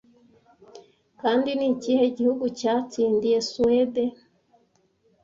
Kandi nikihe gihugu cyatsindiye Suwede